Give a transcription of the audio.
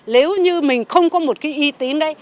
nếu như mình không có một cái y tín ấy